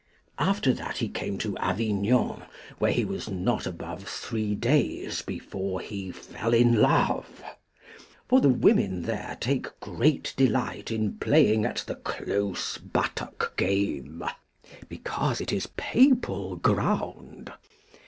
After that he came to Avignon, where he was not above three days before he fell in love; for the women there take great delight in playing at the close buttock game, because it is papal ground.